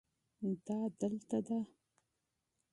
دا دلته ده